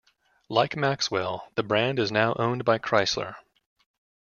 Like Maxwell, the brand is now owned by Chrysler.